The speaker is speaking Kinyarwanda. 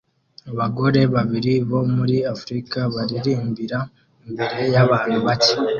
Abagore babiri bo muri africa baririmbira imbere yabantu bake